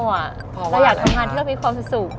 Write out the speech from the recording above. พอว่าแล้วค่ะเราอยากทำงานที่เรามีความสุข